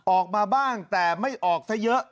ออกมาบ้างแต่ไม่ออกซะเยอะ